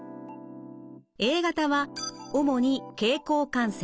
Ａ型は主に経口感染。